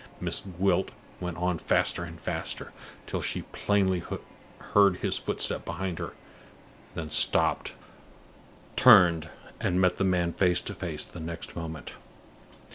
Miss Gwilt went on faster and faster till she plainly heard his footstep behind her, then stopped, turned, and met the man face to face the next moment.